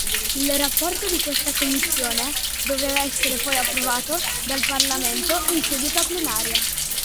Il rapporto di questa commissione doveva essere poi approvato dal Parlamento in seduta plenaria.